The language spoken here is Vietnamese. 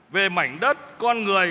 về mảnh đất con người